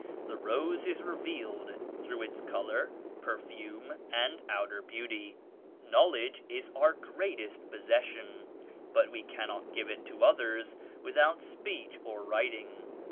The rose is revealed through its color, perfume and outer beauty. Knowledge is our greatest possession but we cannot give it to others without speech or writing.